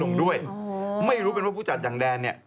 ลงด้วยไม่รู้เป็นว่าผู้จัดยางแดน